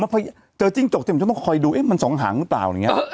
แต่เจอจิ้งจกที่มีต้องคอยดูมันสองหางหรือเปล่า